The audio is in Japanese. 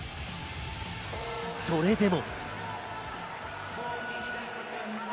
それでも。